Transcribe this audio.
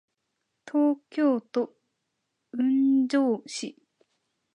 東京都雲雀市